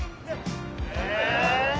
え？